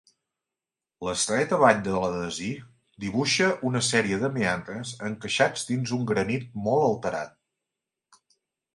L'estreta vall de l'Adasig dibuixa una sèrie de meandres encaixats dins un granit molt alterat.